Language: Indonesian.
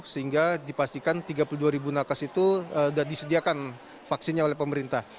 tiga puluh dua sehingga dipastikan tiga puluh dua nakas itu sudah disediakan vaksinnya oleh pemerintah